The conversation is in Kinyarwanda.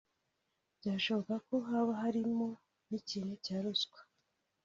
byashoboka ko haba harimo n’ikintu cya ruswa